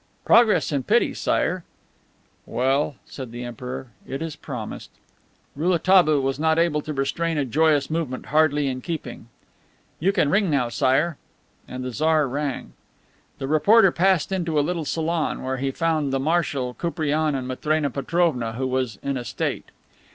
"Progress and pity, Sire." "Well," said the Emperor, "it is promised." Rouletabille was not able to restrain a joyous movement hardly in keeping. "You can ring now, Sire." And the Tsar rang. The reporter passed into a little salon, where he found the Marshal, Koupriane and Matrena Petrovna, who was "in a state."